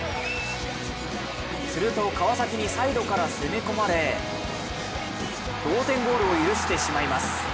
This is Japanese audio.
すると川崎にサイドから攻め込まれ同点ゴールを許してしまいます。